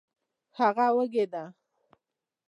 هغه وږې ده